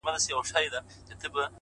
• په ژړا مي شروع وکړه دې ویناته,